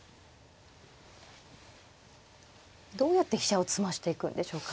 どうやって飛車を詰ましていくんでしょうか。